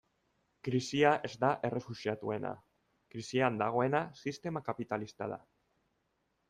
Krisia ez da errefuxiatuena, krisian dagoena sistema kapitalista da.